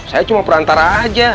saya cuma perantara aja